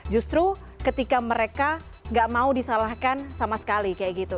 justru ketika mereka gak mau disalahkan sama sekali kayak gitu